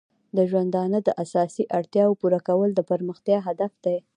د ژوندانه د اساسي اړتیاو پوره کول د پرمختیا هدف دی.